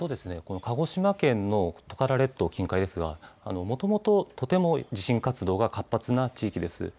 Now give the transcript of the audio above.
鹿児島県のトカラ列島近海ですがもともと地震活動が活発な地域です。